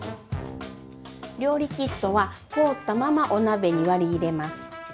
料理キットは凍ったままお鍋に割り入れます。